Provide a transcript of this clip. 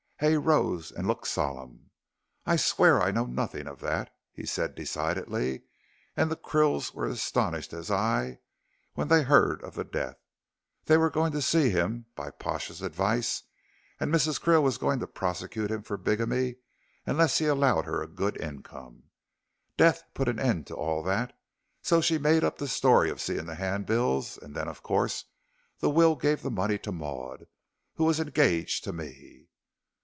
Hay rose and looked solemn. "I swear I know nothing of that," he said decidedly, "and the Krills were as astonished as I, when they heard of the death. They were going to see him by Pash's advice, and Mrs. Krill was going to prosecute him for bigamy unless he allowed her a good income. Death put an end to all that, so she made up the story of seeing the hand bills, and then of course the will gave the money to Maud, who was engaged to me."